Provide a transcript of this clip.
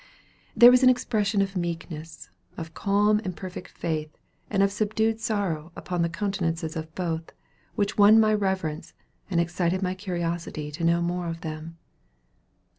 There was an expression of meekness, of calm and perfect faith, and of subdued sorrow upon the countenances of both, which won my reverence, and excited my curiosity to know more of them.